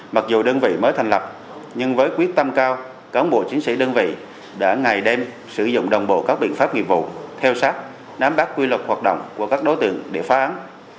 mặc dù đơn vị mới thành lập nhưng với quyết tâm cao cán bộ chiến sĩ đơn vị đã ngày đêm sử dụng đồng bộ các biện pháp nghiệp vụ theo sát nắm bắt quy luật hoạt động của các đối tượng để phá án